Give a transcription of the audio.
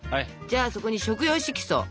じゃあそこに食用色素。